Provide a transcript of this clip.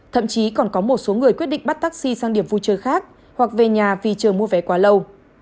thậm chí còn có một số người quyết định bắt taxi sang điểm vui chơi khác hoặc về nhà vì chờ mua vé quá lâu